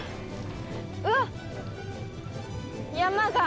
うわっ。